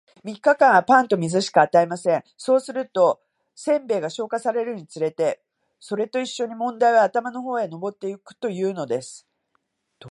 三日間は、パンと水しか与えません。そうすると、煎餅が消化されるにつれて、それと一しょに問題は頭の方へ上ってゆくというのです。